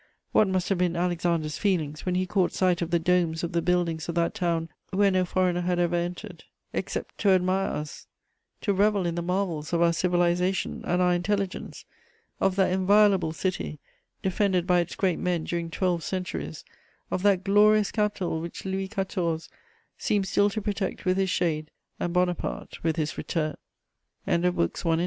What must have been Alexander's feelings when he caught sight of the domes of the buildings of that town where no foreigner had ever entered except to admire us, to revel in the marvels of our civilization and our intelligence; of that inviolable city, defended by its great men during twelve Centuries; of that glorious capital which Louis XIV. seemed still to protect with his shade and Bonaparte with his return! Alcibiades (450 404 B.